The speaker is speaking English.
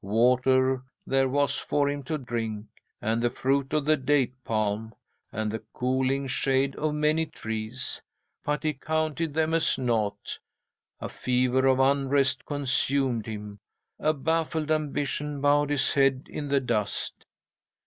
Water there was for him to drink, and the fruit of the date palm, and the cooling shade of many trees, but he counted them as naught. A fever of unrest consumed him. A baffled ambition bowed his head in the dust.